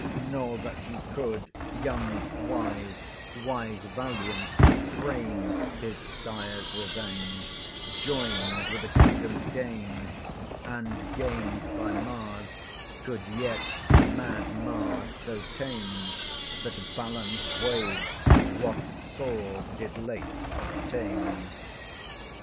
Nor that he could, young wise, wise valiant, frame His sire's revenge, join'd with a kingdom's gain; And, gain'd by Mars could yet mad Mars so tame, That Balance weigh'd what Sword did late obtain.